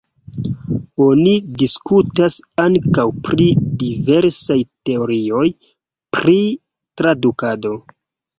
Oni diskutas ankaŭ pri diversaj teorioj pri tradukado.